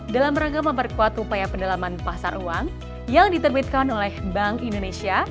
dalam rangka memperkuat upaya pendalaman pasar uang yang diterbitkan oleh bank indonesia